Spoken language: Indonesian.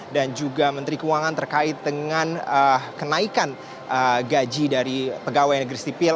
dan juga menteri keuangan terkait dengan kenaikan gaji dari pegawai negeri sipil